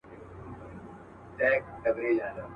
چي اسمان ورته نجات نه دی لیکلی.